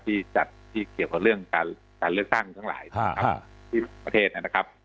ที่จัดที่เกี่ยวกับเรื่องการเลือกตั้งทั้งหลายนะครับที่ประเทศนะครับ